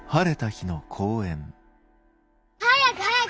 早く早く！